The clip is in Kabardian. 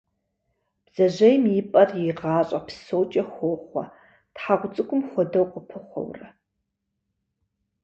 Бдзэжьейм и пӏэр и гъащӏэ псокӏэ хохъуэ, тхьэгъу цӏыкӏум хуэдэу къыпыхъуэурэ.